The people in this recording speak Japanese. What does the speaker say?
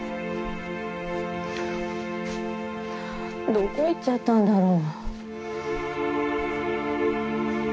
どこ行っちゃったんだろう。